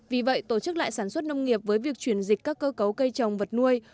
vì vậy tổ chức lại sản xuất nông nghiệp với việc chuyển dịch các cơ cấu cây trồng vật nuôi